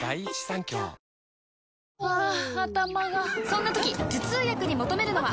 ハァ頭がそんな時頭痛薬に求めるのは？